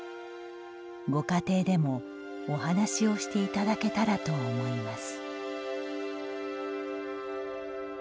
ご家庭でもお話をしていただけたらと思います」。